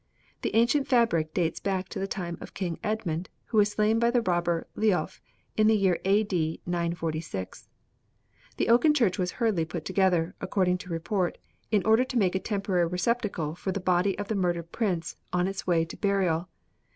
The ancient fabric dates back to the time of King Edmund, who was slain by the robber Leolf in the year A.D. 946. The oaken church was hurriedly put together according to report in order to make a temporary receptacle for the body of the murdered prince on its way to burial.